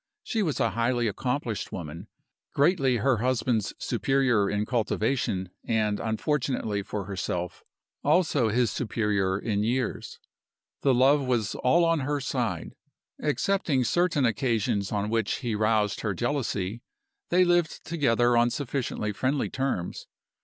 She was a highly accomplished woman, greatly her husband's superior in cultivation, and, unfortunately for herself, also his superior in years. The love was all on her side. Excepting certain occasions on which he roused her jealousy, they lived together on sufficiently friendly terms.